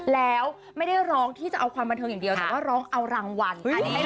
แล้วไม่ได้ร้องที่จะเอาความบันเทิงอย่างเดียวแต่ว่าร้องเอารางวัล